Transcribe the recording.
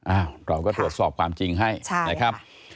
อ้าวเราก็ตรวจสอบความจริงให้ใช่ค่ะ